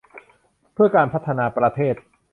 เพื่อการพัฒนาประเทศ